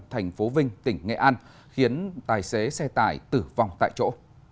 thành phố vinh tỉnh nghệ an khiến tài xế xe tải tử vong tại chỗ